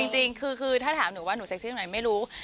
จริงคือถ้าถามหนูว่าหนูเซ็กซี่ตรงไหนไม่รู้